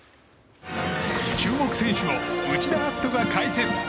注目選手を内田篤人が解説。